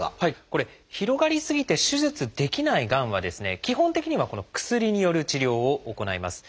これ広がり過ぎて手術できないがんは基本的にはこの薬による治療を行います。